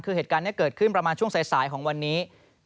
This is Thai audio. คือเหตุการณ์นี้เกิดขึ้นประมาณช่วงสายของวันนี้